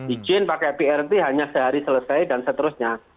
izin pakai prt hanya sehari selesai dan seterusnya